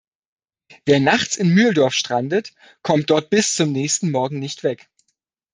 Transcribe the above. Wer nachts in Mühldorf strandet, kommt dort bis zum nächsten Morgen nicht weg.